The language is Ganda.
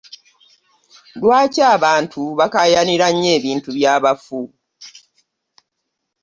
Lwaki abantu bakayanira nnyo ebintu by'abaffu?